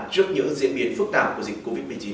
trước những diễn biến phức tạp của dịch covid một mươi chín